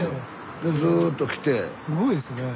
すごいですね。